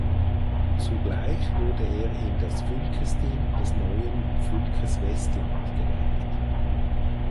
Zugleich wurde er in das Fylkesting des neuen Fylkes Vestland gewählt.